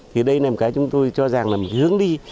thì đây là một cái chúng tôi cho rằng là một hướng đi